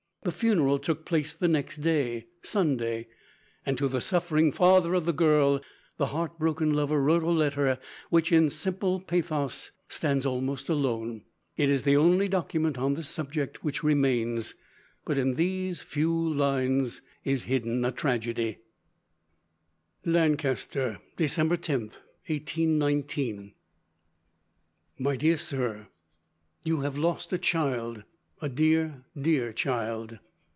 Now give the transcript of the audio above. The funeral took place the next day, Sunday, and to the suffering father of the girl, the heart broken lover wrote a letter which in simple pathos stands almost alone. It is the only document on this subject which remains, but in these few lines is hidden a tragedy: "LANCASTER, December 10, 1819. "MY DEAR SIR: "You have lost a child, a dear, dear child.